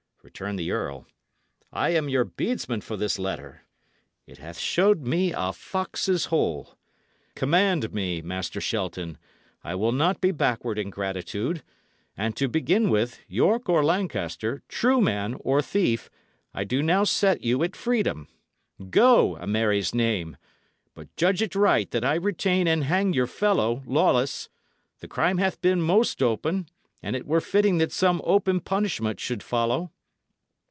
returned the earl. "I am your bedesman for this letter. It hath shown me a fox's hole. Command me, Master Shelton; I will not be backward in gratitude, and to begin with, York or Lancaster, true man or thief, I do now set you at freedom. Go, a Mary's name! But judge it right that I retain and hang your fellow, Lawless. The crime hath been most open, and it were fitting that some open punishment should follow."